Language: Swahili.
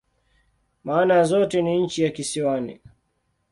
Maana ya zote ni "nchi ya kisiwani.